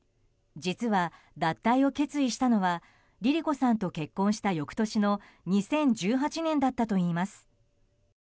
実は、脱退を決意したのはＬｉＬｉＣｏさんと結婚した翌年の２０１８年だったといいます。